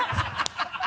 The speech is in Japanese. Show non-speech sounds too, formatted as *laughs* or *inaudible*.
ハハハ *laughs*